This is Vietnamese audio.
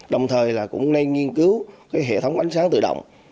đồng thời là cũng nên nghiên cứu hệ thống ánh sáng tự động